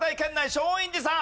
松陰寺さん。